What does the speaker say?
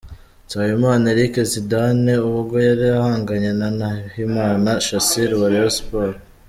Nsabimana Eric Zidane ubwo yari ahanganye na Nahimana Shassir wa Rayon Sports.